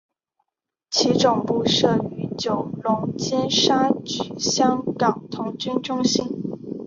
其总部设于九龙尖沙咀香港童军中心。